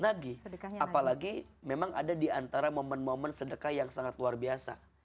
nagih apalagi memang ada diantara momen momen sedekah yang sangat luar biasa